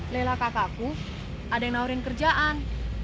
lela kakakku ada yang nawarin kerjaan